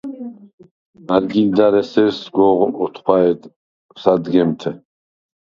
ბა̈რგილდა̈რ ესერ სგოღ ოთხვაჲედ სადგემთე.